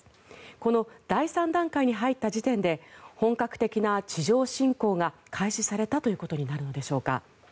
この第３段階に入った時点で本格的な地上侵攻が開始されたということになるのでしょうか。